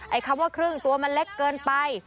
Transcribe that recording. คำว่าครึ่งตัวมันเล็กเกินไป